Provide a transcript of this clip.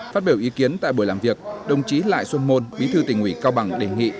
phát biểu ý kiến tại buổi làm việc đồng chí lại xuân môn bí thư tỉnh ủy cao bằng đề nghị